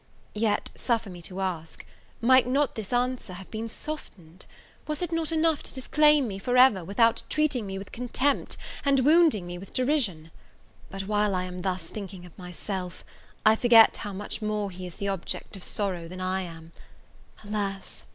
Yet, suffer me to ask might not this answer have been softened? was it not enough to disclaim me for ever, without treating me with contempt, and wounding me with derision? But while I am thus thinking of myself, I forget how much more he is the object of sorrow than I am! Alas!